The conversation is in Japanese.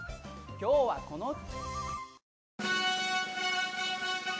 今日はこの歌！